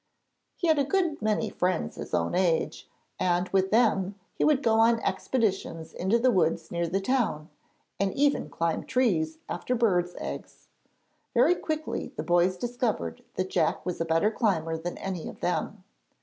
He had a good many friends of his own age, and with them he would go on expeditions into the woods near the town, and even climb trees after birds' eggs. Very quickly the boys discovered that Jack was a better climber than any of them.